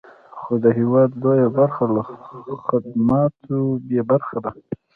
خو د هېواد لویه برخه له خدماتو بې برخې ده.